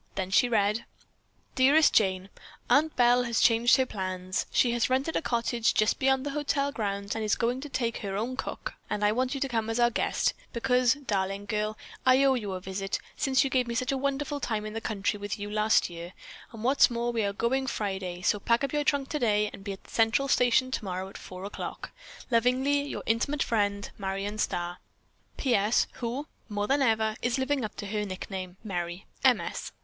Then she read: "Dearest Jane: Aunt Belle has changed her plans. She has rented a cottage just beyond the hotel grounds and is going to take her own cook and I want you to come as our guest, because, darling girl, I owe you a visit, since you gave me such a wonderful time in the country with you last year, and, what is more, we are going Friday, so pack up your trunk today, and be at the Central Station tomorrow at 4:00. Lovingly, your intimate friend Marion Starr. "P. S. Who, more than ever, is living up to her nickname, Merry. M. S."